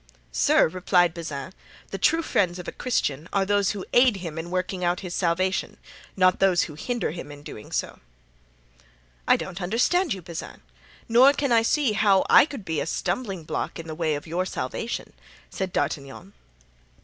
"Sir," replied Bazin, "the true friends of a Christian are those who aid him in working out his salvation, not those who hinder him in doing so." "I don't understand you, Bazin; nor can I see how I can be a stumbling block in the way of your salvation," said D'Artagnan.